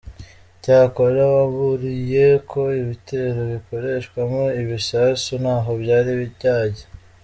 Cyakora waburiye ko ibitero bikoreshwamo ibisasu ntaho byari byajya.